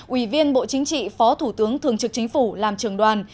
ủy viên bộ chính trị phó thủ tướng thường trực chính phủ làm trường đoàn